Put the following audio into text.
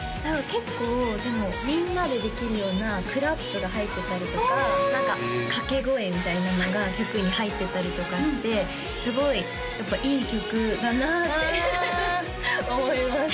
結構でもみんなでできるようなクラップが入ってたりとか何か掛け声みたいなのが曲に入ってたりとかしてすごいやっぱいい曲だなって思います